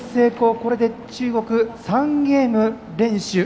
これで中国３ゲーム連取。